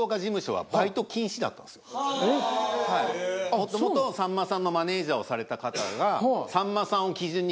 もともとさんまさんのマネジャーをされた方が。